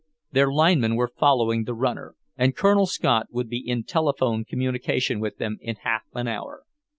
Their linemen were following the runner, and Colonel Scott would be in telephone communication with them in half an hour.